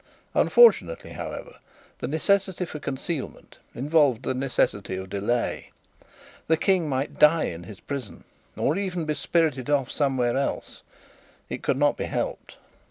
Unfortunately, however, the necessity for concealment involved the necessity of delay: the King might die in his prison, or even be spirited off somewhere else; it could not be helped.